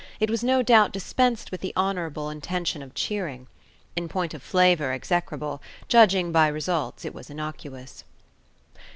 It was no doubt dispensed with the honourable intention of cheering. In point of flavour execrable, judging by results it was innocuous.